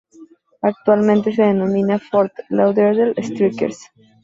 Actualmente se denomina Fort Lauderdale Strikers.